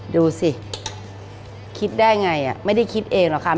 ดูสิคิดได้ไงไม่ได้คิดเองหรอกค่ะ